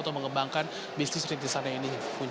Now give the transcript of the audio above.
atau mengembangkan bisnis rintisannya ini